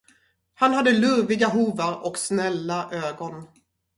Han hade lurviga hovar och snälla ögon.